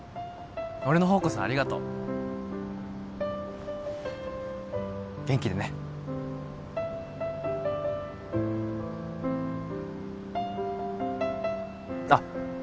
俺のほうこそありがとう元気でねあっ